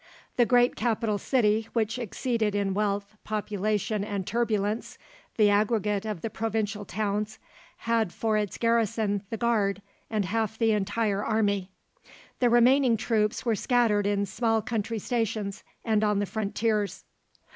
The great capital city, which exceeded in wealth, population, and turbulence the aggregate of the provincial towns, had for its garrison the Guard and half of the entire army. The remaining troops were scattered in small country stations and on the frontiers.